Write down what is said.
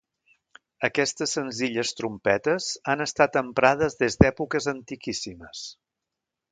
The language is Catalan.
Aquestes senzilles trompetes han estat emprades des d'èpoques antiquíssimes.